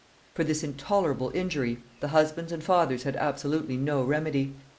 For this intolerable injury the husbands and fathers had absolutely no remedy.